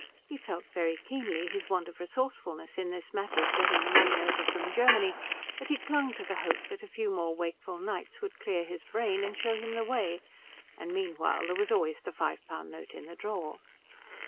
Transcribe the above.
He felt very keenly his want of resourcefulness in this matter of getting the money over from Germany, but he clung to the hope that a few more wakeful nights would clear his brain and show him the way; and meanwhile there was always the five pound note in the drawer.